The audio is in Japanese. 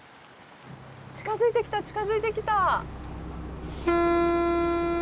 近づいてきた近づいてきた。